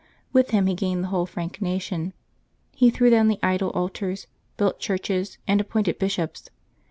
With him he gained the whole Frank nation. He threw down the idol altars, built churches, and ap pointed bishops.